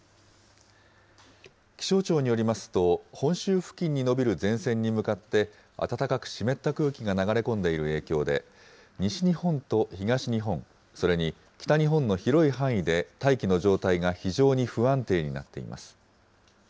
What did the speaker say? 気象庁によりますと、本州付近に延びる前線に向かって暖かく湿った空気が流れ込んでいる影響で、西日本と東日本、それに北日本の広い範囲で大気の状態が非常に不安定になっています。